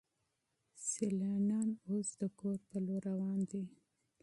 سیلانیان اوس د کور په لور روان دي.